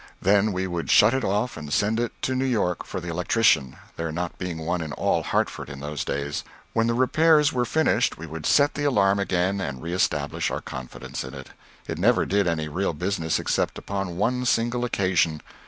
Then we would shut it off, and send to New York for the electrician there not being one in all Hartford in those days. When the repairs were finished we would set the alarm again and reestablish our confidence in it. It never did any real business except upon one single occasion.